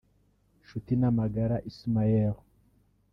Nshutinamagara Ismael